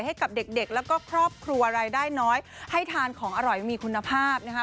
ให้กับเด็กเด็กแล้วก็ครอบครัวรายได้น้อยให้ทานของอร่อยมีคุณภาพนะคะ